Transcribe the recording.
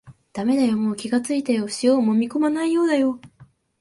だめだよ、もう気がついたよ、塩をもみこまないようだよ